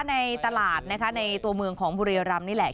ในตลาดนะคะในตัวเมืองของบุรีรำนี่แหละ